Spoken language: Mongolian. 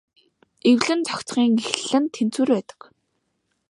Эвлэн зохицохын эхлэл нь тэнцвэр байдаг.